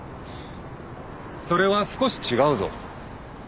それは少し違うぞ。